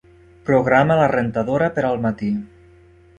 Programa la rentadora per al matí.